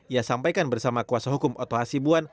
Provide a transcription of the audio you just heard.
ia sampaikan bersama kuasa hukum oto hasibuan